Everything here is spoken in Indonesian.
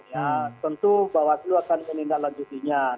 ya tentu bawaslu akan menindaklanjutinya